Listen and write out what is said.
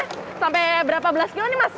biasanya sampai berapa belas kilo mas